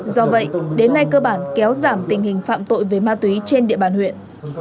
do vậy đến nay cơ bản kéo giảm tình hình phạm tội về ma túy trên địa bàn huyện